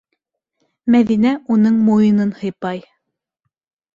- Мәҙинә уның муйынын һыйпай.